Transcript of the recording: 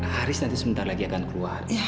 haris nanti sebentar lagi akan keluar